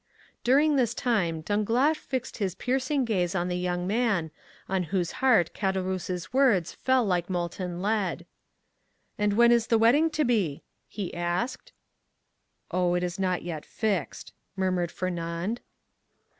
During this time Danglars fixed his piercing glance on the young man, on whose heart Caderousse's words fell like molten lead. "And when is the wedding to be?" he asked. "Oh, it is not yet fixed!" murmured Fernand.